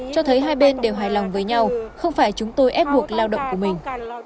cho thấy hai bên đều hài lòng với nhau không phải chúng tôi ép buộc lao động của mình